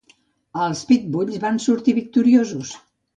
Els Pitbulls van sortir victoriosos.